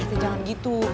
pak rete jangan gitu